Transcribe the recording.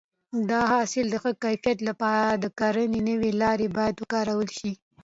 د حاصل د ښه کیفیت لپاره د کرنې نوې لارې باید وکارول شي.